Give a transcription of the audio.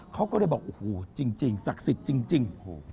เขาก็เลยบอกโอ้โหจริงศักดิ์สิทธิ์จริง